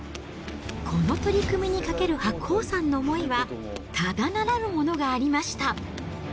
この取組にかける白鵬さんの思いは、ただならぬものがありました。